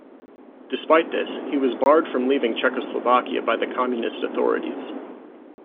Despite this, he was barred from leaving Czechoslovakia by the Communist authorities.